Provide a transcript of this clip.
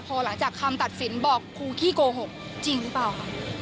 พอหลังจากคำตัดสินบอกครูขี้โกหกจริงหรือเปล่าคะ